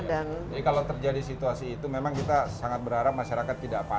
jadi kalau terjadi situasi itu memang kita sangat berharap masyarakat tidak apa apa